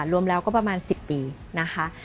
รวมแล้วก็ประมาณ๑๐ปีนะคะ